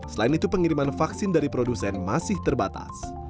selain itu pengiriman vaksin dari produsen masih terbatas